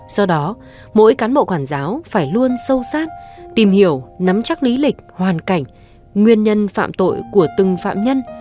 do đó mỗi cán bộ quản giáo phải luôn sâu sát tìm hiểu nắm chắc lý lịch hoàn cảnh nguyên nhân phạm tội của từng phạm nhân